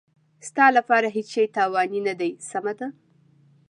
ستا لپاره هېڅ شی تاواني نه دی، سمه ده.